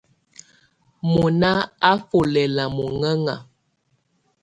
Mɔná á nfɔ́ lɛla mɔŋɛŋa.